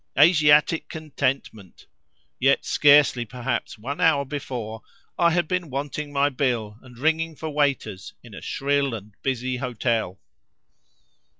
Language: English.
Asiatic contentment! Yet scarcely, perhaps, one hour before I had been wanting my bill, and ringing for waiters, in a shrill and busy hotel.